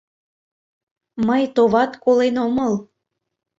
Мый, товат, колен омыл